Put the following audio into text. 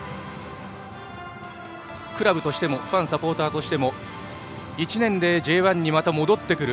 クラブとしてもファン、サポーターとしても１年でＪ１にまた戻ってくる。